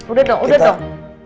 udah dong udah dong